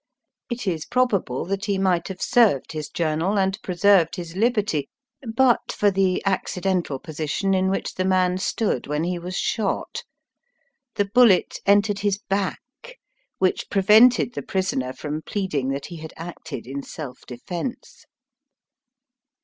It is probable that he might have served his journal and preserved his liberty but for the accidental position 'in which the man stood when he was shot. The bullet entered his back, which prevented the prisoner from pleading that he had acted in self defence.